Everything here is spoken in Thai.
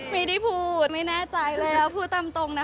ไม่ได้พูดไม่ได้พูดไม่แน่ใจเลยพูดตามตรงนะคะ